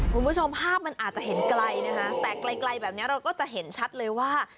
คุณผู้ชมภาพมันอาจจะเห็นไกลนะคะแต่ไกลแบบนี้เราก็จะเห็นชัดเลยว่า